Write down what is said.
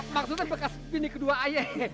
maksudnya bekas ini kedua ayah